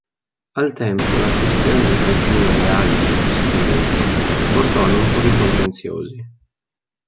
Al tempo la questione dei confini reali del possedimento portò a non pochi contenziosi.